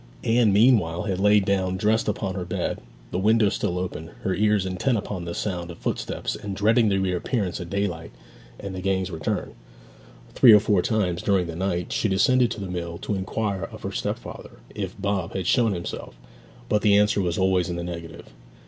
Anne meanwhile had lain down dressed upon her bed, the window still open, her ears intent upon the sound of footsteps and dreading the reappearance of daylight and the gang's return. Three or four times during the night she descended to the mill to inquire of her stepfather if Bob had shown himself; but the answer was always in the negative.